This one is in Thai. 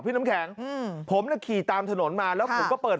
พี่น้ำแข็งผมก็ขี่ตามถนนมาแล้วผมก็เปิด